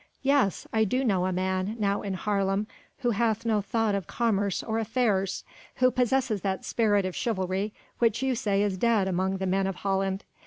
Yes! I do know a man, now in Haarlem, who hath no thought of commerce or affairs, who possesses that spirit of chivalry which you say is dead among the men of Holland.